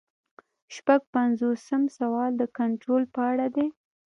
شپږ پنځوسم سوال د کنټرول په اړه دی.